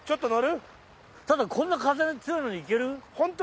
だこんな風強いのにいける？